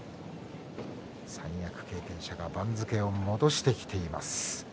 三役経験者が番付を戻してきています。